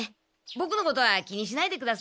ボクのことは気にしないでください。